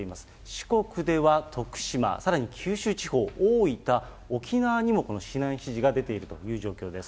四国では徳島、さらに九州地方、大分、沖縄にもこの避難指示が出ているという状況です。